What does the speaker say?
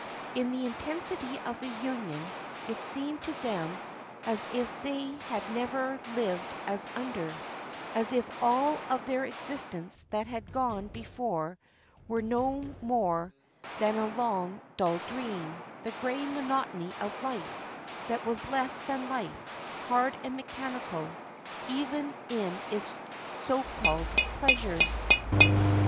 In the intensity of that union it seemed to them as if they had never lived asunder, as if all of their existence that had gone before were no more than a long, dull dream, the grey monotony of life that was less than life, hard and mechanical even in its so called pleasures.